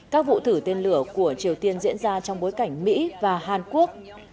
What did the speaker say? các vụ thử tên lửa của triều tiên diễn ra trong bối cảnh mỹ và hàn quốc